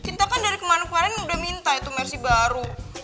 kita kan dari kemarin kemarin udah minta itu mersi baru